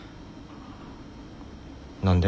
何で？